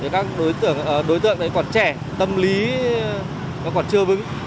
các đối tượng còn trẻ tâm lý nó còn chưa vững